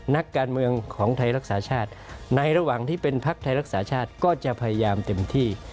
นักการเมืองของไทยรักษาชาติในระหว่างที่เป็นภักดิ์ไทยรักษาชาติก็จะพยายามเต็มที่